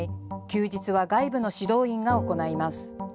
休日は外部の指導員が行います。